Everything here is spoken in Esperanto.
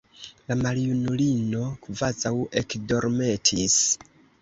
La maljunulino kvazaŭ ekdormetis.